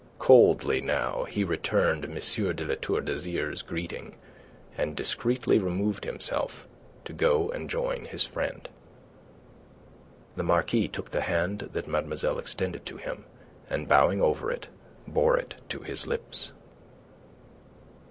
Coldly now he returned M. de La Tour d'Azyr's greeting, and discreetly removed himself to go and join his friend. The Marquis took the hand that mademoiselle extended to him, and bowing over it, bore it to his lips.